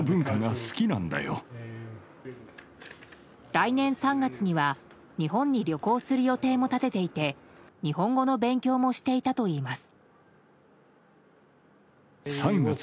来年３月には日本に旅行する予定も立てていて日本語の勉強もしていたといいます。